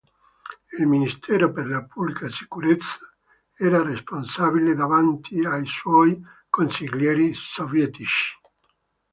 Il Ministero per la Pubblica Sicurezza era responsabile davanti ai suoi "consiglieri" sovietici.